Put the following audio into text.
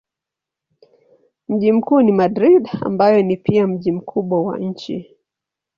Mji mkuu ni Madrid ambayo ni pia mji mkubwa wa nchi.